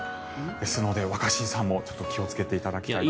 ですので、若新さんも気をつけていただきたい。